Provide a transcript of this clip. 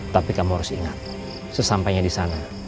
tapi kamu harus ingat sesampainya disana